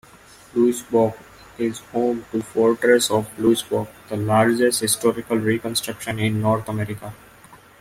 Louisbourg is home to Fortress of Louisbourg, the largest historical reconstruction in North America.